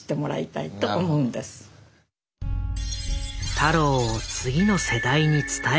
太郎を次の世代に伝える。